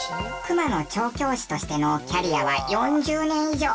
クマの調教師としてのキャリアは４０年以上。